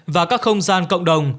và các không gian cộng đồng